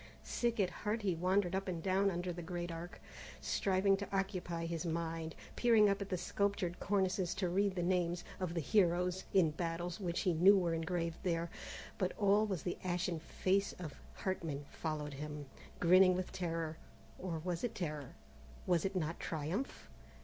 Sick at heart he wandered up and down under the great Arc, striving to occupy his mind, peering up at the sculptured cornices to read the names of the heroes and battles which he knew were engraved there, but always the ashen face of Hartman followed him, grinning with terror! or was it terror? was it not triumph?